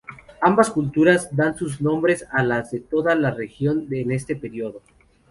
Ambas culturas dan sus nombres a las de toda la región en ese período.